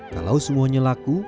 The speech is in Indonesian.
kalau semuanya laku